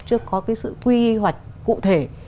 chưa có cái sự quy hoạch cụ thể